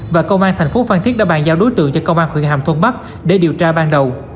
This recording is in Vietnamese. và công an thành phố phan thiết đã bàn giao đối tượng cho công an huyện hàm thuận bắc để điều tra ban đầu